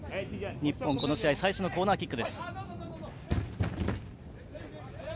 日本、この試合最初のコーナーキック。